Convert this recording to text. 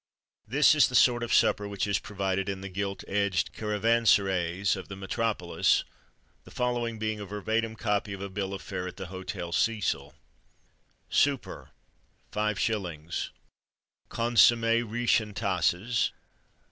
This is the sort of supper which is provided in the "gilt edged" caravanserais of the metropolis, the following being a verbatim copy of a bill of fare at the Hotel Cecil: SOUPER, 5s. Consommé Riche en tasses.